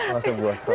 masuk buah strobe